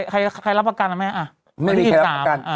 ใครรับประกันนะแม่ไม่มีใครรับประกัน